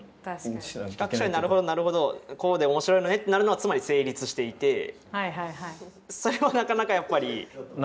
企画書でなるほどなるほどこうで面白いのねってなるのはつまり「成立」していてそれはなかなかやっぱり。